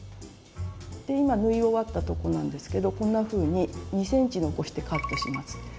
今縫い終わったとこなんですけどこんなふうに２ｃｍ残してカットします。